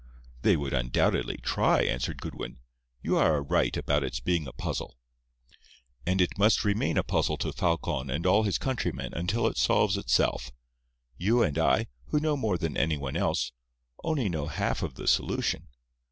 "They would undoubtedly try," answered Goodwin. "You are right about its being a puzzle. And it must remain a puzzle to Falcon and all his countrymen until it solves itself. You and I, who know more than anyone else, only know half of the solution.